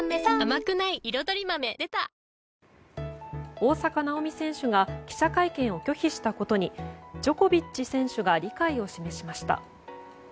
大坂なおみ選手が記者会見を拒否したことにジョコビッチ選手が理解を示しました。